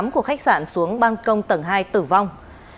của khách sạn xuống băng công tầng hai tử vong